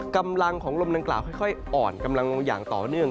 กำลังของลมดังกล่าวค่อยอ่อนกำลังอย่างต่อเนื่อง